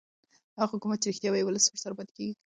هغه حکومت چې رښتیا وايي ولس ورسره پاتې کېږي